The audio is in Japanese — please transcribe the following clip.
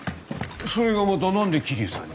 それがまた何で桐生さんに？